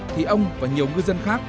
thì ông và nhiều ngư dân khác